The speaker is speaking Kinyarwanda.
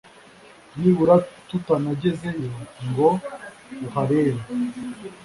niburatutanagezeyo ngo uharebe”